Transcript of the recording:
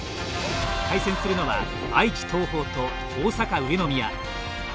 対戦するのは愛知・東邦と大阪・上宮。